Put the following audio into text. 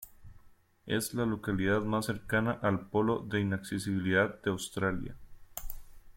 Es la localidad más cercana al polo de inaccesibilidad de Australia.